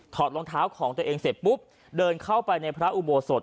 อดรองเท้าของตัวเองเสร็จปุ๊บเดินเข้าไปในพระอุโบสถ